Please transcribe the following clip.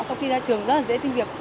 sau khi ra trường rất dễ trinh việc